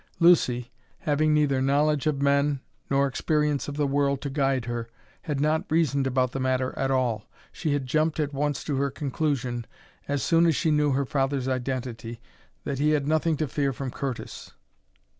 Lucy, having neither knowledge of men nor experience of the world to guide her, had not reasoned about the matter at all. She had jumped at once to her conclusion, as soon as she knew her father's identity, that he had nothing to fear from Curtis.